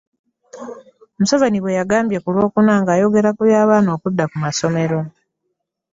Museveni bwe yagambye ku Lwokuna nga ayogera ku by'abaana okudda ku ssomero.